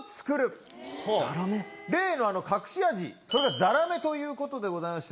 例の隠し味、それがザラメということでございまして。